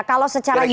kalau secara hukum ya